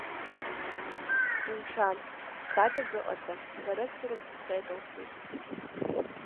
Умшәан, схаҵа дыҟаӡам, шәарыцара дцеит, лҳәит.